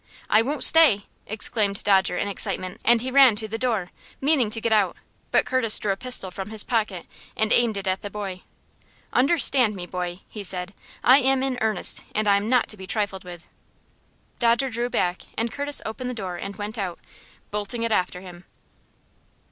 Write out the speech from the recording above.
"I won't stay!" exclaimed Dodger, in excitement, and he ran to the door, meaning to get out; but Curtis drew a pistol from his pocket and aimed it at the boy. "Understand me, boy," he said, "I am in earnest, and I am not to be trifled with." Dodger drew back, and Curtis opened the door and went out, bolting it after him.